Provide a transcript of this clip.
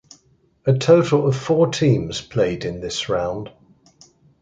A total of four teams played in this round.